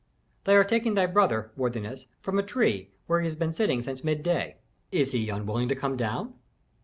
"They are taking thy brother, worthiness, from a tree where he has been sitting since midday." "Is he unwilling to come down?"